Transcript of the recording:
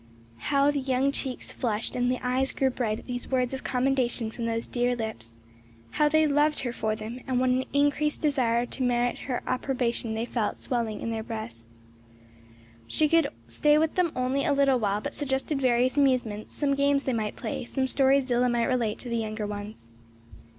How the young cheeks flushed and the eyes grew bright at these words of commendation from those dear lips. How they loved her for them, and what an increased desire to merit her approbation they felt swelling in their breasts. She could stay with them only a little while but suggested various amusements, some games they might play, some stories Zillah might relate to the younger ones.